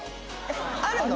あるの？